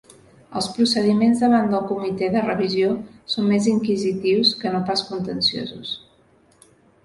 Els procediments davant del comitè de revisió són més inquisitius que no pas contenciosos.